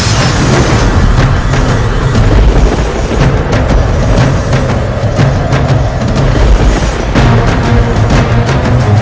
selasi selasi bangun